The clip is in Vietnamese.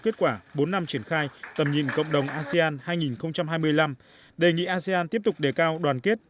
kết quả bốn năm triển khai tầm nhìn cộng đồng asean hai nghìn hai mươi năm đề nghị asean tiếp tục đề cao đoàn kết